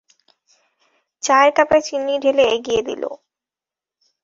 চায়ের কাপে চিনি ঢেলে এগিয়ে দিল।